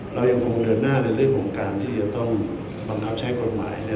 เรายังคงเดินหน้าในเรื่องของการที่จะต้องบังคับใช้กฎหมาย